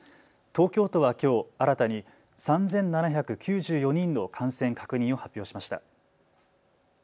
東京都はきょう新たに３７９４人の感染確認を発表しました。